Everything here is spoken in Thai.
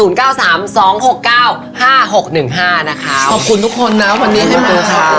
๑๕นะคะขอบคุณทุกคนนะวันนี้ให้มาขอบคุณค่ะ